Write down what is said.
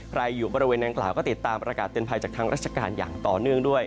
อยู่บริเวณนางกล่าวก็ติดตามประกาศเตือนภัยจากทางราชการอย่างต่อเนื่องด้วย